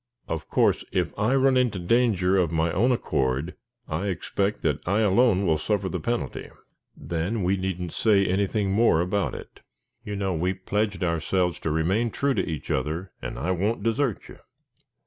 "Of course, if I run into danger of my own accord, I expect that I alone will suffer the penalty." "Then we needn't say anything more about it; you know we pledged ourselves to remain true to each other, and I won't desert you."